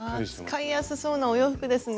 使いやすそうなお洋服ですね